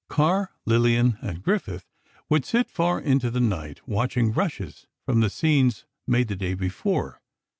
Carr, Lillian and Griffith would sit far into the night, watching rushes from the scenes made the day before.